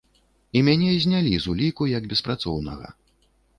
І мяне знялі з уліку як беспрацоўнага.